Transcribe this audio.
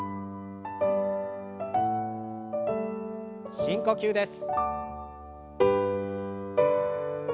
深呼吸です。